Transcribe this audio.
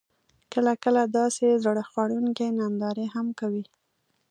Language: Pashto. کله، کله داسې زړه خوړونکې نندارې هم کوي: